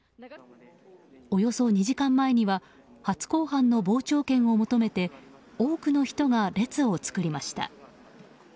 およそ２時間前には初公判の傍聴券を求めて多くの人が列を作りました。